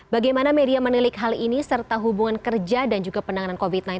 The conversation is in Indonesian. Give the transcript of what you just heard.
bagaimana media menilik hal ini serta hubungan kerja dan juga penanganan covid sembilan belas